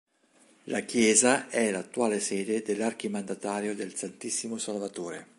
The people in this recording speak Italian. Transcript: La chiesa è l'attuale sede dell'Archimandritato del Santissimo Salvatore.